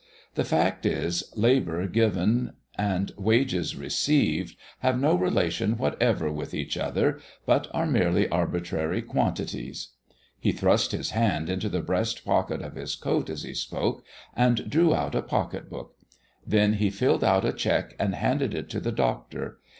The fact is, labor given and wages received have no relation whatever with each other, but are merely arbitrary quantities." He thrust his hand into the breast pocket of his coat as he spoke and drew out a pocket book. Then he filled out a check and handed it to the doctor.